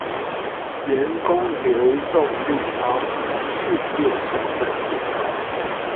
員工流動率高，訓練成本也高